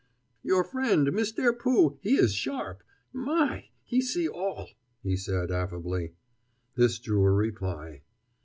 "Your friend, Mistare Pooh, he is sharp! My! he see all," he said affably. This drew a reply.